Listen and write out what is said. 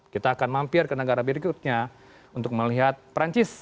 kita akan mampir ke negara berikutnya untuk melihat perancis